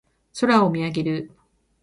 空を見上げる。